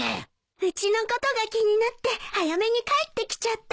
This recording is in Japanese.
うちのことが気になって早めに帰ってきちゃった。